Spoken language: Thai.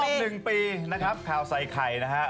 ครบรอบหนึ่งปีข่าวใส่ไข่นะครับ